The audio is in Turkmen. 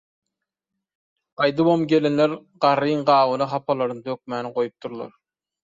Gaýdybam, gelinler garryň gabyna hapalaryny dökmäni goýupdyrlar.